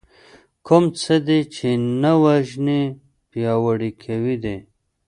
کوم څه دې چې نه وژنې پياوړي کوي دی .